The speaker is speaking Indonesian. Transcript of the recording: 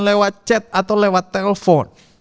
lewat chat atau lewat telepon